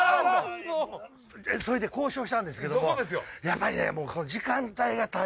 それで交渉したんですけどやっぱりね時間帯が。